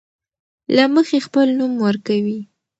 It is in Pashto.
له مخې خپل نوم ورکوي.